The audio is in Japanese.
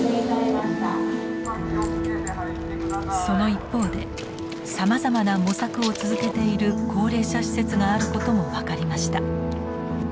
その一方でさまざまな模索を続けている高齢者施設があることも分かりました。